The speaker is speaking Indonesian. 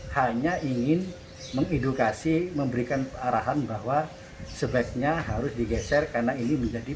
hanya ingin mengedukasi memberikan arahan bahwa sebaiknya harus digeser karena ini menjadi